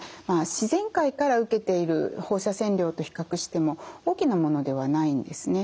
自然界から受けている放射線量と比較しても大きなものではないんですね。